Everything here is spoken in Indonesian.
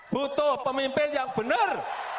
butuh pemimpin yang benar